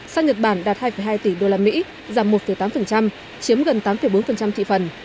sang nhật bản đạt hai hai tỷ đô la mỹ giảm một tám chiếm gần tám bốn thị phần